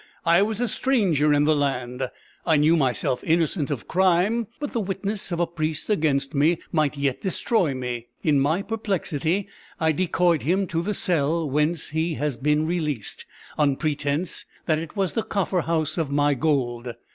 I was a stranger in the land I knew myself innocent of crime but the witness of a priest against me might yet destroy me. In my perplexity I decoyed him to the cell whence he has been released, on pretense that it was the coffer house of my gold.